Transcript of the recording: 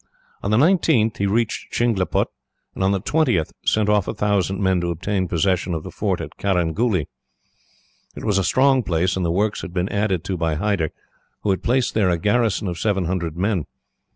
On the 19th he reached Chingleput, and on the 20th sent off a thousand men to obtain possession of the fort of Carangooly. It was a strong place, and the works had been added to by Hyder, who had placed there a garrison of seven hundred men.